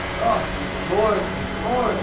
Oh ! these lords ! these lords !